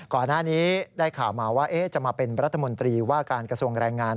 ก่อนหน้านี้ได้ข่าวมาว่าจะมาเป็นรัฐมนตรีว่าการกระทรวงแรงงาน